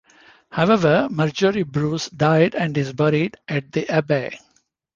However, Marjorie Bruce died and is buried at the Abbey.